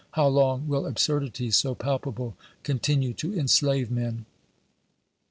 How long will absurdities so palpable continue to enslave men ?